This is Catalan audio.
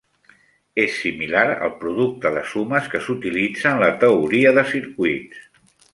És similar al producte de sumes que s'utilitza en la teoria de circuits.